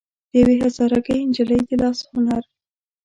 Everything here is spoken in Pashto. او د يوې هزاره ګۍ نجلۍ د لاس هنر